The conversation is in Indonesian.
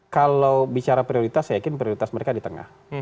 kalau bicara prioritas saya yakin prioritas mereka di tengah